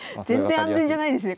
全然安全じゃないですね